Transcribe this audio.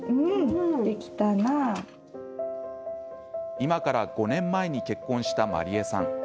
今から５年前に結婚したまりえさん。